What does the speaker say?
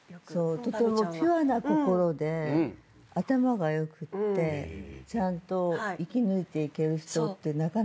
とてもピュアな心で頭が良くてちゃんと生き抜いていける人ってなかなかいない。